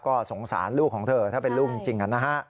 ก็สงสารลูกของเธอถ้าเป็นลูกจริงนะฮะ